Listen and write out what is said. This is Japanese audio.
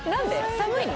寒いの？